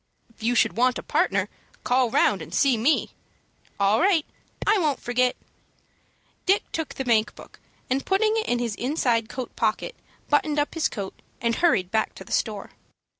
"If you should want a partner, call round and see me." "All right. I won't forget." Dick took the bank book, and, putting it in his inside coat pocket, buttoned up his coat, and hurried back to the store.